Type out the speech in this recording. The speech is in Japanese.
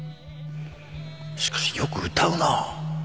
しかしよく歌うな